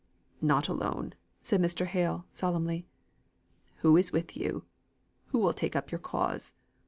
"Not alone," said Mr. Hale, solemnly. "Who is with you? Who will take up your cause?"